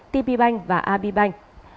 tpbank và abibank